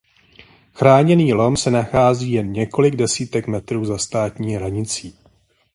Chráněný lom se nachází jen několik desítek metrů za státní hranicí.